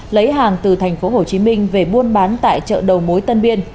lấy hàng từ thành phố hồ chí minh về buôn bán tại chợ đầu mối tân biên